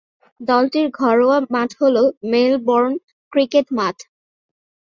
দলটির ঘরোয়া মাঠ হল মেলবোর্ন ক্রিকেট মাঠ।